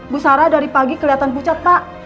bu sarah dari pagi kelihatan pucat pak